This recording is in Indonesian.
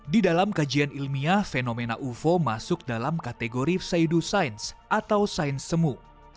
di dalam kajian ilmiah fenomena ufo masuk dalam kategori saidu science atau sains semu